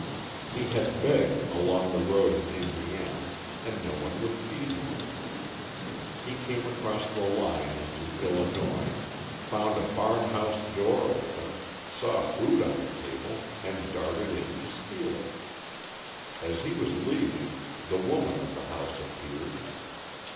He had begged along the road in Indiana and no one would feed him. He came across the line into Illinois, found a farmhouse door open, saw food on the table, and darted in to steal it. As he was leaving, the woman of the house appeared.